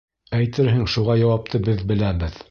Әйтерһең, шуға яуапты беҙ беләбеҙ.